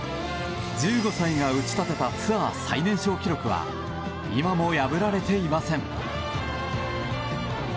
１５歳が打ち立てたツアー最年少記録は今も破られていません。